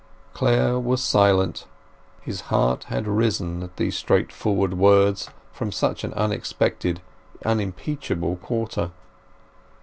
Clare was silent; his heart had risen at these straightforward words from such an unexpected unimpeachable quarter.